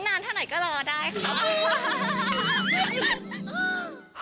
นานเท่าไหนก็รอได้ค่ะ